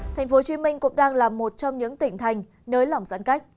thành phố hồ chí minh cũng đang là một trong những tỉnh thành nơi lỏng giãn cách